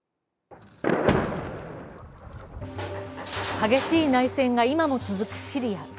激しい内戦が今も続くシリア。